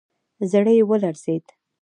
زړه يې ولړزېد.